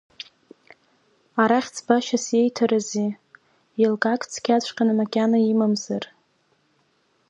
Арахь ӡбашьас иеиҭарызи, еилкаак цқьаҵәҟьаны макьана имамзар?